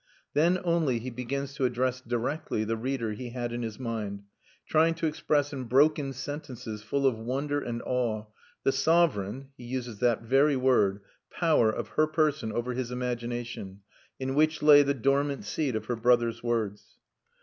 Then only he begins to address directly the reader he had in his mind, trying to express in broken sentences, full of wonder and awe, the sovereign (he uses that very word) power of her person over his imagination, in which lay the dormant seed of her brother's words.